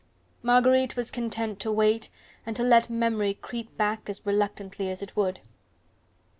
Marguerite was content to wait and to let memory creep back as reluctantly as it would.